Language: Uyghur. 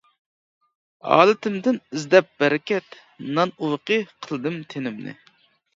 ھالىتىمدىن ئىزدەپ بەرىكەت، نان ئۇۋىقى قىلدىم تېنىمنى.